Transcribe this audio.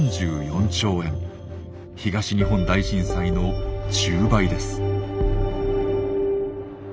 東日本大震災の１０倍です。